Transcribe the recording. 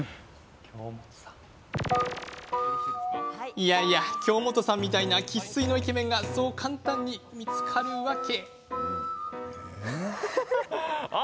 いやいや、京本さんみたいな生っ粋のイケメンがそう簡単に見つかるわけ。